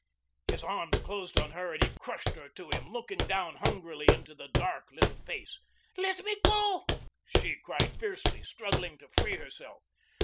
His arms closed on her and he crushed her to him, looking down hungrily into the dark, little face. "Let me go," she cried fiercely, struggling to free herself.